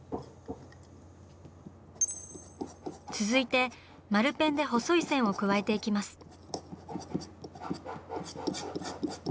続いて丸ペンで細い線を加えていきます。